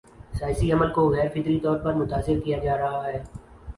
سیاسی عمل کو غیر فطری طور پر متاثر کیا جا رہا ہے۔